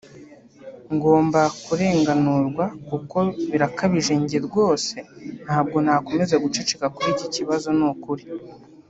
ngomba kurenganurwa kuko birakabije njye rwose ntabwo nakomeza guceceka kuri iki kibazo ni ukuri